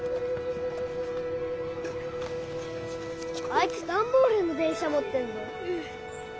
あいつ段ボールの電車持ってんの。